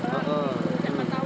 jangan tahu ada memang benar ada